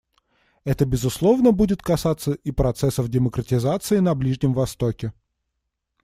Это, безусловно, будет касаться и процессов демократизации на Ближнем Востоке.